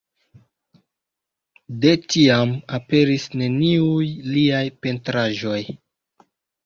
De tiam aperis neniuj liaj pentraĵoj.